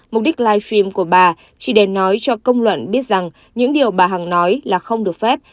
mục đích live stream của bà chỉ để nói cho công luận biết rằng những điều bà hằng nói là không được phép